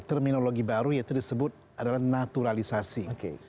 terminologi baru yaitu disebut adalah naturalisasi